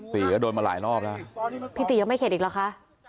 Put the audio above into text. ตีก็โดนมาหลายรอบแล้วพี่ตียังไม่เข็ดอีกหรอคะ